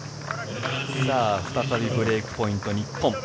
再びブレークポイント日本。